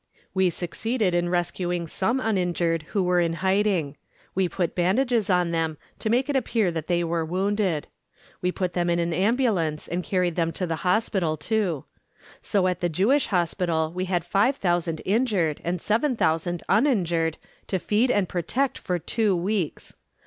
We succeeded in rescuing some uninjured who were in hiding. We put bandages on them to make it appear that they were wounded. We put them in the ambulance and carried them to the hospital, too. So at the Jewish Hospital we had five thousand injured and seven thousand uninjured to feed and protect for two weeks.